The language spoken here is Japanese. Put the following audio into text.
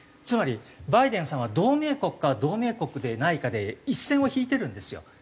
つまりバイデンさんは同盟国か同盟国でないかで一線を引いてるんですよ。